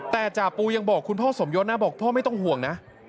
แต่จ่าปูยังบอกคุณพ่อสมยศนะบอกพ่อไม่ต้องห่วงนะ